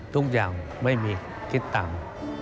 ทุกอย่างไม่มีคิดตังค์